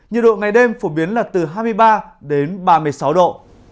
nhiệt độ ngày đêm phổ biến là từ hai mươi ba đến ba mươi sáu độ